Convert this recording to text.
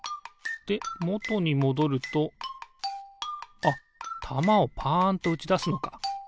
でもとにもどるとあったまをパンとうちだすのか。